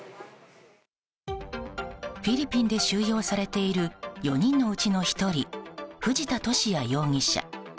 フィリピンで収容されている４人のうちの１人藤田聖也容疑者。